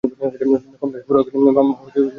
কমলাকে খুড়া কহিলেন, মা, তুমিও চলো।